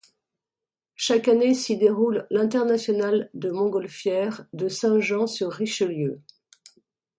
Chaque année s'y déroule l'International de montgolfières de Saint-Jean-sur-Richelieu.